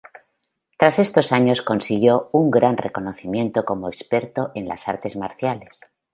Tras estos años consiguió un gran reconocimiento como experto en las artes marciales.